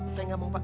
saya gak mau pak